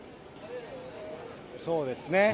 そうですね。